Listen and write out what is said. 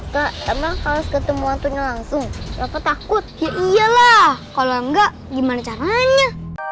ketemu waktunya langsung takut ya iyalah kalau enggak gimana caranya